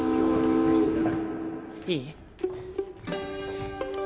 いい？